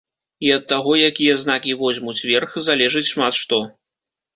І ад таго, якія знакі возьмуць верх, залежыць шмат што.